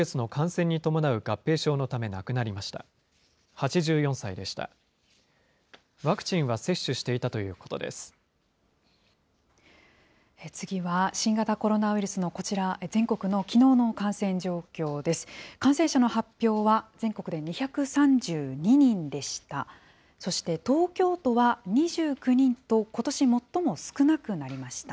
感染者の発表は全国で２３２人でした。